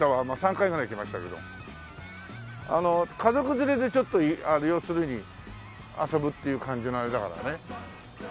あの家族連れでちょっと要するに遊ぶっていう感じのあれだからね。